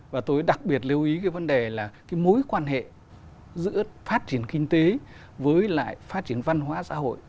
và tôi đặc biệt lưu ý cái vấn đề là cái mối quan hệ giữa phát triển kinh tế với lại phát triển văn hóa xã hội